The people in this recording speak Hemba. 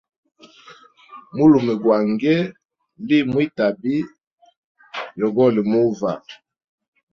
Mulume gwa ngee li mwi tabi yogoli muva.